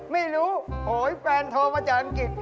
ไม่รู้โหยแฟนโทรมาจากอังกฤษ